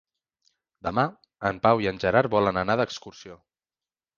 Demà en Pau i en Gerard volen anar d'excursió.